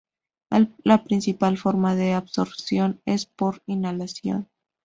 La principal forma de absorción es por inhalación.